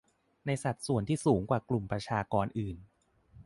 ในสัดส่วนที่สูงกว่ากลุ่มประชากรอื่น